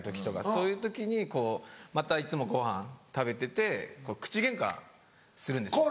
そういう時にこうまたいつもごはん食べてて口ゲンカするんですよ。